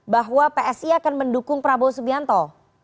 bahwa psi akan mendukung prabowo subianto